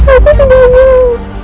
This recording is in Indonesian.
aku tidak mau